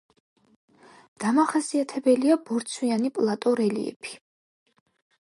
დამახასიათებელია ბორცვიანი პლატო რელიეფი.